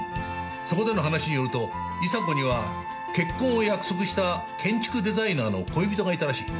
そこでの話によると伊沙子には結婚を約束した建築デザイナーの恋人がいたらしい。